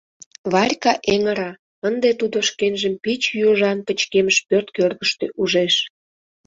— Варька эҥыра, ынде тудо шкенжым пич южан пычкемыш пӧрт кӧргыштӧ ужеш.